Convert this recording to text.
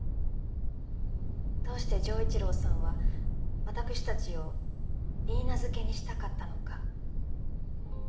どうして丈一郎さんは私たちを許嫁にしたかったのか。